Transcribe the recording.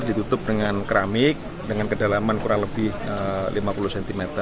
ditutup dengan keramik dengan kedalaman kurang lebih lima puluh cm